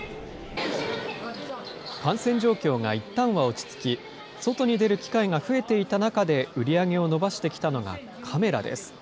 感染状況がいったんは落ち着き、外に出る機会が増えていた中で売り上げを伸ばしてきたのがカメラです。